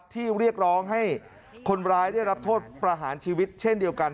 เรียกร้องให้คนร้ายได้รับโทษประหารชีวิตเช่นเดียวกัน